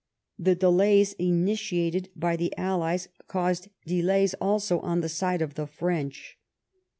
The delays initiated by the Allies caused delays also on the side of the French.